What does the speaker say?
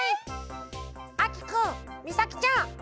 あきくんみさきちゃん。